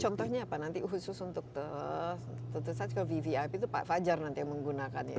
contohnya apa nanti khusus untuk tentu saja vvip itu pak fajar nanti yang menggunakannya